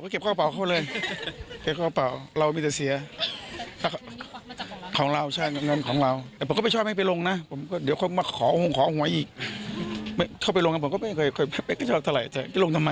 เข้าไปลงก็ไม่ยอมรับเทลายเลยลงทำไม